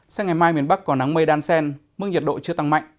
sáng ngày mai miền bắc có nắng mây đan sen mức nhiệt độ chưa tăng mạnh